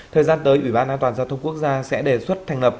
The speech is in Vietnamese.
thời gian tới ủy ban an toàn giao thông quốc gia sẽ đề xuất thành lập